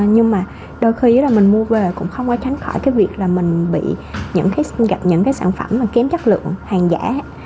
nhưng mà đôi khi là mình mua về cũng không ai tránh khỏi cái việc là mình bị gặp những cái sản phẩm mà kém chất lượng hàng giả